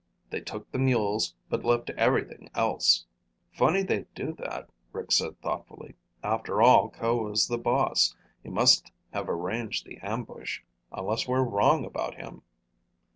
"They took the mules but left everything else." "Funny they'd do that," Rick said thoughtfully. "After all, Ko was the boss. He must have arranged the ambush. Unless we're wrong about him."